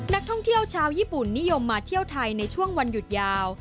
นักท่องเที่ยวชาวญี่ปุ่นนิยมมาเที่ยวไทยในช่วงวันหยุดยาว